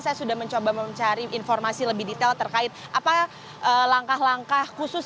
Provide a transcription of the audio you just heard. saya sudah mencoba mencari informasi lebih detail terkait apa langkah langkah khusus